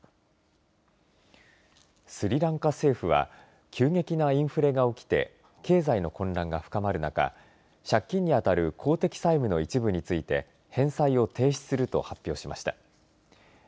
スリランカ政府は急激なインフレが起きて経済の混乱が深まる中借金に当たる公的債務の一部について返済を停止すると発表しました。